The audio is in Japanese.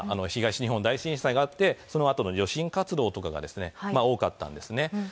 東日本大震災があって、そのあとの余震活動などが多かったんですね。